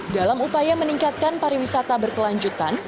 dalam upaya meningkatkan pariwisata berkelanjutan